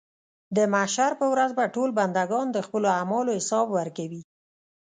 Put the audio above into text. د محشر په ورځ به ټول بندګان د خپلو اعمالو حساب ورکوي.